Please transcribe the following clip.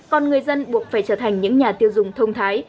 còn người dân buộc phải trở thành những nhà tiêu dùng thông thái